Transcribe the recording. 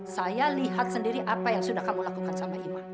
saya lihat sendiri apa yang sudah kamu lakukan sama iman